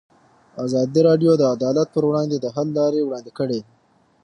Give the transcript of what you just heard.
ازادي راډیو د عدالت پر وړاندې د حل لارې وړاندې کړي.